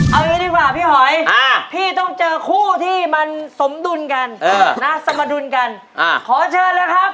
เอาอย่างนี้ดีกว่าพี่หอยพี่ต้องเจอคู่ที่มันสมดุลกันนะสมดุลกันขอเชิญเลยครับ